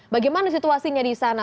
bagaimana situasinya di sana